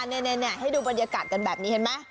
นี่ให้ดูบรรยากาศกันแบบนี้เห็นไหม